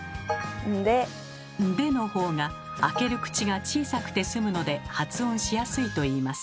「んで」の方が開ける口が小さくてすむので発音しやすいといいます。